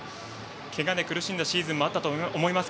けがで苦しんだシーズンもあったと思います。